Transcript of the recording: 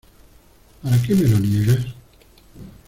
¿ para qué me lo niegas?